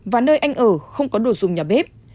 và nơi anh ở không có đồ dùng nhà bếp